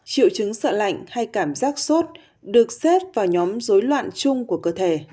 triệu chứng sợ lạnh hay cảm giác sốt được xét vào nhóm dối loạn chung của cơ thể